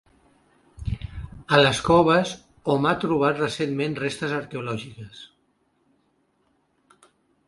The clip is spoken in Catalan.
A les coves hom ha trobat recentment restes arqueològiques.